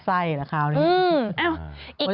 อีกคราวนี้